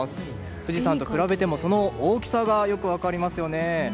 富士山と比べても、その大きさがよく分かりますよね。